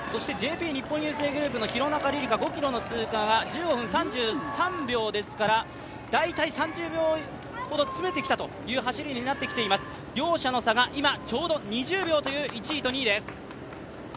ＪＰ日本郵政グループ廣中璃梨佳が５ｋｍの通過が１５分３３秒ですから大体３０秒ほど詰めてきたという走りになってきています。両者の差が今ちょうど２０秒という１位と２位です。